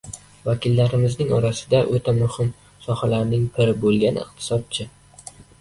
Vakillarimizning orasida bu o‘ta muhim sohalarning piri bo‘lgan iqtisodchi